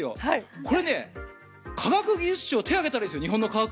これ、科学技術庁が手を挙げたらいいですよ。